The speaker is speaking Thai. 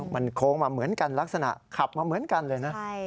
มันโค้งมาเหมือนกันลักษณะขับมาเหมือนกันเลยนะ